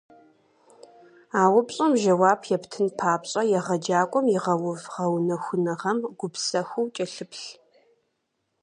А упщӀэм жэуап ептын папщӀэ, егъэджакӀуэм игъэув гъэунэхуныгъэм гупсэхуу кӀэлъыплъ.